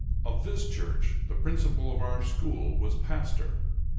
Of this church the principal of our school was pastor.